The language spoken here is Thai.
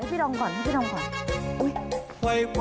ให้พี่ดอมก่อนให้พี่ดอมก่อนอุ้ยสวัสดีค่ะ